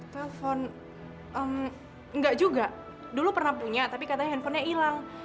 telepon enggak juga dulu pernah punya tapi katanya handphonenya hilang